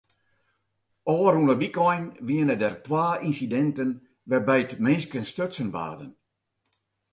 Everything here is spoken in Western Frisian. Ofrûne wykein wiene der twa ynsidinten wêrby't minsken stutsen waarden.